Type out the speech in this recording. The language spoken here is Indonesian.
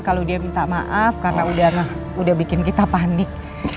kalau dia minta maaf karena udah bikin kita panik